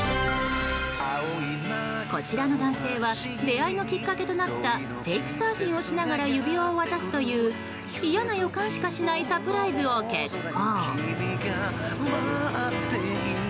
こちらの男性は出会いのきっかけとなったウェイクサーフィンをしながら指輪を渡すという嫌な予感しかしないサプライズを決行。